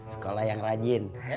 sekolah yang rajin